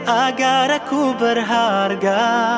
agar aku berharga